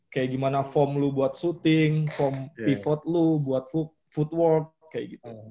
kayak gimana form lu buat shooting form pivot lu buat footwork kayak gitu